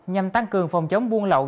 nhằm tăng cường phòng chống buôn lậu